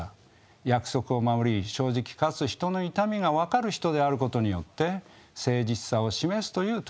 約束を守り正直かつ人の痛みが分かる人であることによって誠実さを示すという特徴。